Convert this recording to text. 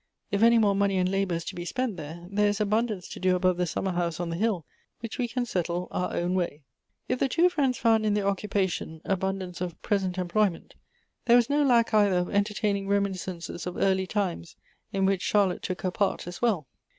If any more money and labor is to be spent there, there is abundance to do above the summer house on the hill, which we can settle our own way." If the two friends found in their occupation abundance of present employment, there was no lack either of en tertaining reminiscences of early times, in which Charlotte took her part as well.